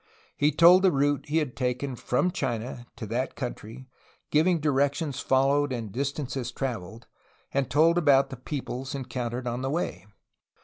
He told of the route he had taken from China to that country, giving directions followed and distances traveled, and told about the peoples encountered on the way.